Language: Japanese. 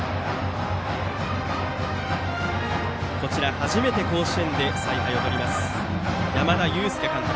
初めて甲子園で采配をとります東邦高校の山田祐輔監督。